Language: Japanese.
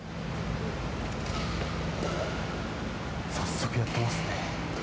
おっ、早速やってますね。